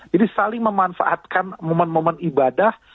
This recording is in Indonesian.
jadi saling memanfaatkan momen momen ibadah